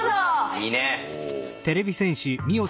いいね！